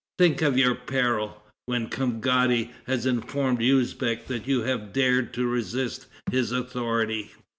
Think of your peril, when Kavgadi has informed Usbeck that you have dared to resist his authority."